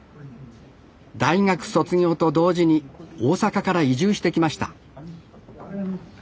大学卒業と同時に大阪から移住してきましたあれ２２。